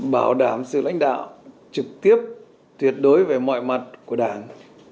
bảo đảm sự lãnh đạo trực tiếp tuyệt đối về mọi mặt của đảng